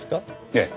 ええ。